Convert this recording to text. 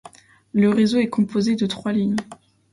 Le réseau est composé de trois lignes.